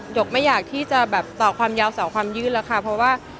กไม่อยากที่จะแบบต่อความยาวต่อความยื่นแล้วค่ะเพราะว่า